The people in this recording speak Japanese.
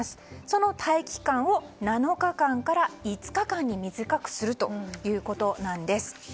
その待機期間を７日間から５日間に短くするということです。